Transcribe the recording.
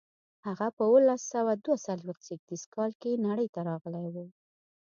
هغه په اوولس سوه دوه څلویښت زېږدیز کال کې نړۍ ته راغلی و.